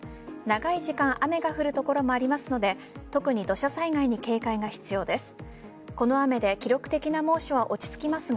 長い時間雨が降る所もありますので特に土砂災害に警戒が必要です。